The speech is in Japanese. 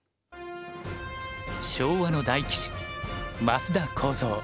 昭和の大棋士升田幸三。